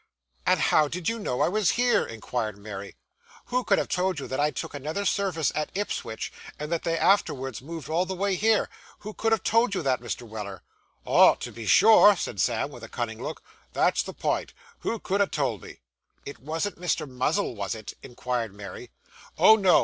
'And how did you know I was here?' inquired Mary. 'Who could have told you that I took another service at Ipswich, and that they afterwards moved all the way here? Who _could _have told you that, Mr. Weller?' 'Ah, to be sure,' said Sam, with a cunning look, 'that's the pint. Who could ha' told me?' 'It wasn't Mr. Muzzle, was it?' inquired Mary. 'Oh, no.